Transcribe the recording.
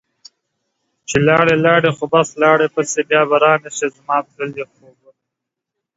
چې لاړي لاړي خو بس لاړي پسي ، بیا به رانشي زما تللي خوبه